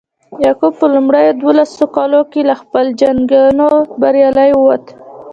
یعقوب په لومړیو دولسو کالو کې له ټولو جنګونو بریالی ووت.